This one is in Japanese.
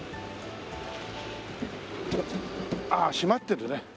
ああ閉まってるね